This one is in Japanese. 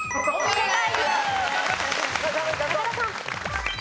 正解。